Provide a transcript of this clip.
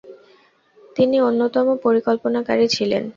তিনি অন্যতম পরিকল্পনাকারী ছিলেন।